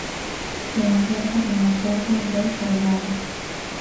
Se encuentra en la plaza De Ferrari.